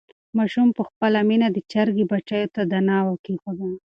ماشوم په خپله مینه د چرګې بچیو ته دانه کېښوده.